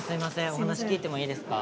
お話聞いてもいいですか？